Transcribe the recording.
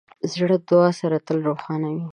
زړه د دعا سره تل روښانه وي.